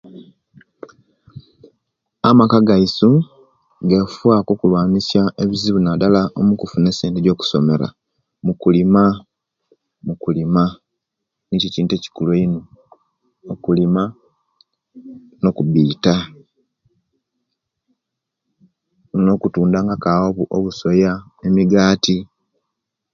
Amaka gaisu gefuwa ku okulwanisa ebizibu nadala mukufuna esente ejokusomera mukuliyama, mukulima, nikyo ekintu elikulu einu mukulima nokubaita nokutunda nga ku awo obusoya, emigati